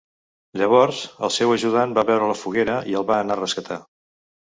Llavors, el seu ajudant va veure la foguera i el va anar a rescatar.